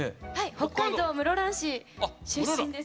北海道室蘭市出身です。